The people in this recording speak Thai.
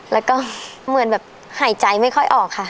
แล้วก็เหมือนแบบหายใจไม่ค่อยออกค่ะ